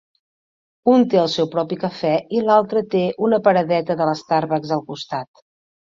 Un té el seu propi cafè i l'altre té una paradeta de l'Starbucks al costat.